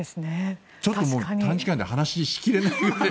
ちょっと短時間で話し切れないので。